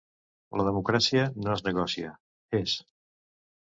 La democràcia no es negocia, és!